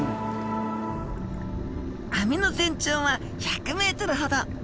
網の全長は１００ｍほど。